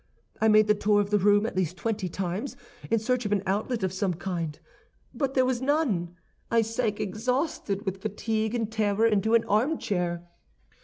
"I made the tour of the room at least twenty times, in search of an outlet of some kind; but there was none. I sank exhausted with fatigue and terror into an armchair.